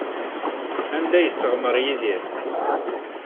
Anda ay yesseɣmer Yidir?